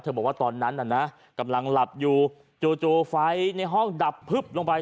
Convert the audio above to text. บอกว่าตอนนั้นน่ะนะกำลังหลับอยู่จู่ไฟในห้องดับพึบลงไป